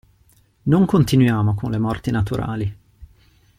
Non continuiamo con le morti naturali!